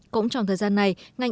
cũng trong thời gian này